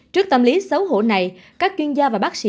trước tâm lý xấu hổ này các chuyên gia và bác sĩ